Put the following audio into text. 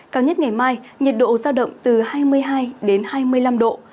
cao nhất ngày mai nhiệt độ giao động từ hai mươi hai đến hai mươi năm độ